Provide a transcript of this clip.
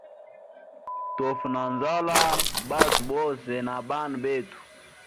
Tofa na nzala bwatwe bose na bana betu.